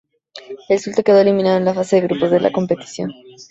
El Zulte quedó eliminado en la fase de grupos de la competición.